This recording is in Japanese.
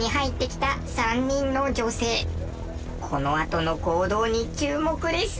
このあとの行動に注目です。